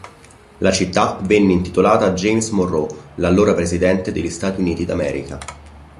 La città venne intitolata a James Monroe, l'allora Presidente degli Stati Uniti d'America.